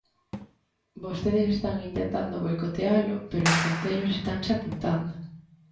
Vostedes están intentando boicotealo pero os concellos estanse apuntando.